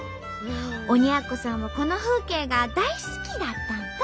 鬼奴さんはこの風景が大好きだったんと。